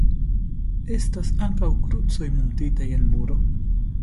Estas ankaŭ krucoj muntitaj en muro.